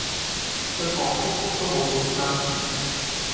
對樂曲都好熟悉啦